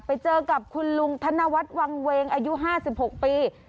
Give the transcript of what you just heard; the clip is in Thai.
ไปเจอกับคุณลุงธนวัฒน์วังเวงอายุ๕๖ปี